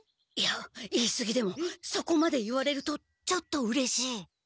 いや言いすぎでもそこまで言われるとちょっとうれしい。